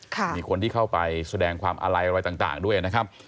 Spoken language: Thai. มีคนที่เข้าไปแสดงความอาลัยอะไรต่างด้วยนะครับ